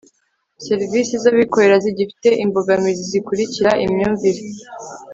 serivisi z abikorera zigifite imbogamizi zikurikira imyumvire